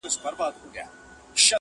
له میاشتونو له کلونو!!